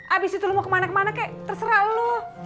abis itu lu mau kemana mana kek terserah lu